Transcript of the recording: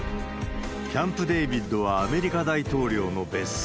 キャンプ・デービッドはアメリカ大統領の別荘。